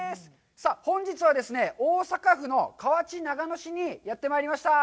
さあ、本日はですね、大阪府の河内長野市にやってまいりました。